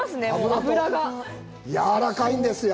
脂がやわらかいんですよ